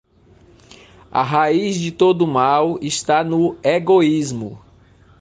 A raiz de todo mal está no egoísmo